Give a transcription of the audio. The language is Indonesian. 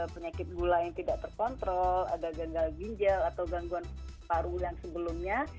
penyakit gula yang tidak terkontrol ada gagal ginjal atau gangguan paru yang sebelumnya